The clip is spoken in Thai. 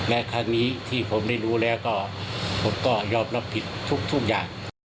และครั้งนี้ที่ผมได้รู้แล้วก็ผมก็ยอมรับผิดทุกอย่าง